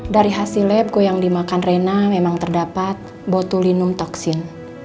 dari hasil labku yang dimakan rena memang terdapat botulinum toksin